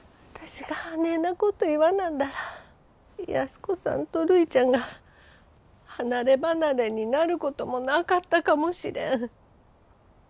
私があねえなこと言わなんだら安子さんとるいちゃんが離れ離れになることもなかったかもしれん。